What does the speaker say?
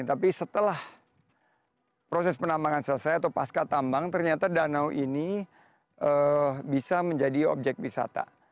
tapi setelah proses penambangan selesai atau pasca tambang ternyata danau ini bisa menjadi objek wisata